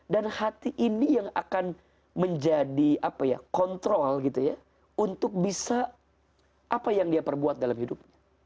dan hati ini yang akan menjadi apa ya kontrol gitu ya untuk bisa apa yang dia perbuat dalam hidup